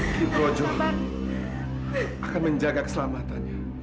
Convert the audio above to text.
kibrojo akan menjaga keselamatannya